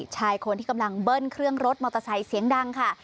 ชายคนที่กำลังเบิ้ลเครื่องรถมอเตอร์ไซค์เสียงดังค่ะ